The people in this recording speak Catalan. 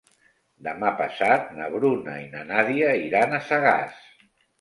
Demà passat na Bruna i na Nàdia iran a Sagàs.